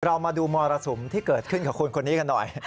เรามาดูมรสุมที่เกิดขึ้นกับคนคนนี้กันหน่อย